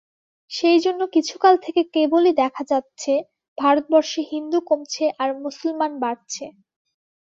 সেইজন্য কিছুকাল থেকে কেবলই দেখা যাচ্ছে, ভারতবর্ষে হিন্দু কমছে আর মুসলমান বাড়ছে।